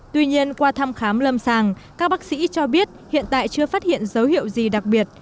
tuy nhiên qua thăm khám lâm sàng các bác sĩ cho biết hiện tại chưa phát hiện dấu hiệu gì đặc biệt